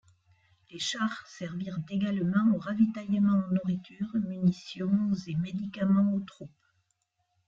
Les chars servirent également au ravitaillement en nourriture, munitions et médicaments aux troupes.